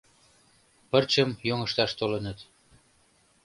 Пырчым йоҥышташ толыныт.